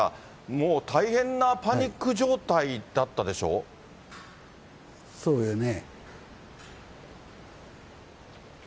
もう大変なパニック状態だったでそうやね。